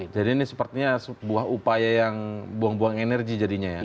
jadi ini sepertinya sebuah upaya yang buang buang energi jadinya ya